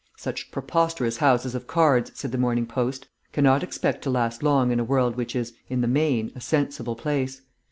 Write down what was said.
Such preposterous houses of cards, said the Morning Post, cannot expect to last long in a world which is, in the main, a sensible place.